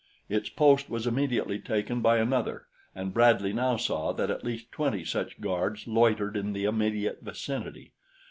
Its post was immediately taken by another and Bradley now saw that at least twenty such guards loitered in the immediate vicinity.